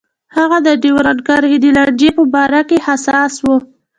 هغه د ډیورنډ کرښې د لانجې په باره کې حساس و.